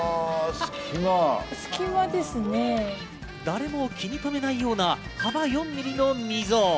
誰も気にとめないような幅４ｍｍの溝。